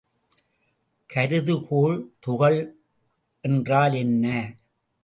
கருதுகோள் துகள் என்றால் என்ன?